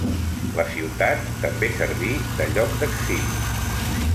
La ciutat també serví de lloc d'exili.